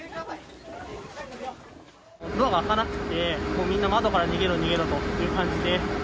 ドアが開かなくて、もうみんな窓から逃げろ逃げろという感じで。